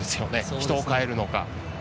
人を代えるのか。